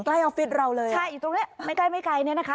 ใกล้ออฟฟิศเราเลยใช่อยู่ตรงนี้ไม่ไกลเนี่ยนะคะ